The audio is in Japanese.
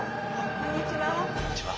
こんにちは。